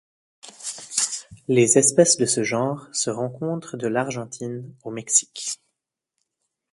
Les espèces de ce genre se rencontrent de l'Argentine au Mexique.